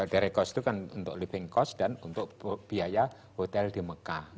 direct cost itu kan untuk living cost dan untuk biaya hotel di mekah